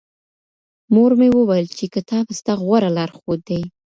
مور مي وويل چي کتاب ستا غوره لارښود دی.